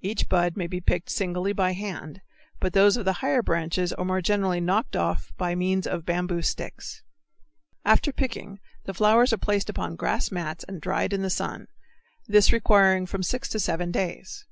Each bud may be picked singly by hand, but those of the higher branches are more generally knocked off by means of bamboo sticks. After picking the flowers are placed upon grass mats and dried in the sun, this requiring from six to seven days.